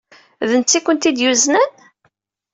D netta ay ken-id-yuznen?